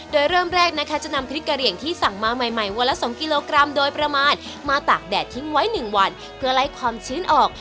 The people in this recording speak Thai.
โดยเริ่มแรกนะคะจะนำพริกกะเหลี่ยงที่สั่งมาใหม่วันละ๒กิโลกรัมโดยประมาณมาตากแดดทิ้งไว้๑วันเพื่อไล่ความชื้นออก